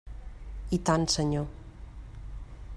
I tant, senyor.